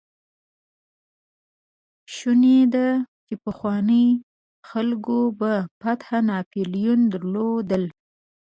شونې ده، چې پخوانيو خلکو به فاتح ناپليونان درلودل.